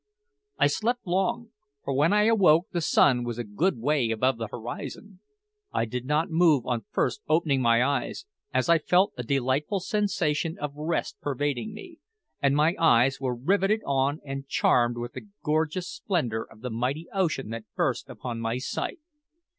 I slept long, for when I awoke the sun was a good way above the horizon. I did not move on first opening my eyes, as I felt a delightful sensation of rest pervading me, and my eyes were riveted on and charmed with the gorgeous splendour of the mighty ocean that burst upon my sight.